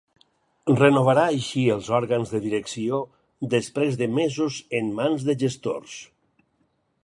Renovarà així els òrgans de direcció després de mesos en mans de gestors.